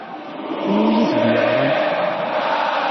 Anwi i k-d-yeɣṛan?